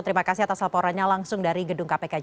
terima kasih atas laporannya langsung dari gedung kpk jakarta